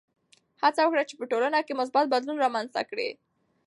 هڅه وکړه چې په ټولنه کې مثبت بدلون رامنځته کړې.